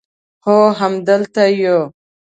هو همدلته یو